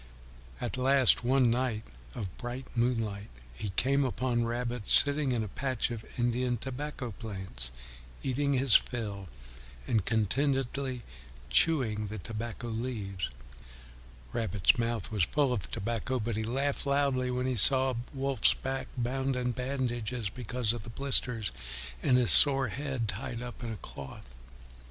At last, one night of bright moonlight, he came upon Rabbit sitting in a patch of Indian tobacco plants, eating his fill and contentedly chewing the tobacco leaves. Rabbit's mouth was full of tobacco, but he laughed loudly when he saw Wolf's back bound in bandages because of the blisters, and his sore head tied up in a cloth.